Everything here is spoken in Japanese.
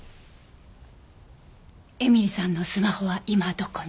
絵美里さんのスマホは今どこに？